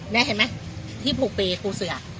นี่เห็นไหมที่ปลูกเปย์ปูเสือ